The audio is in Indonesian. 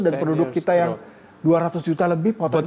dan penduduk kita yang dua ratus juta lebih potensi